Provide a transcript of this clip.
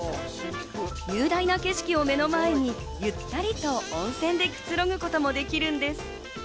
雄大な景色を目の前に、ゆったりと温泉でくつろぐこともできるんです。